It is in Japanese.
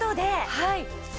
はい。